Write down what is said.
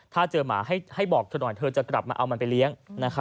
ถ้าเจอหมาให้บอกเธอหน่อยเธอจะกลับมาเอามันไปเลี้ยง